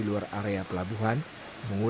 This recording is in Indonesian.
untuk mendapatkan tempat iklan kembali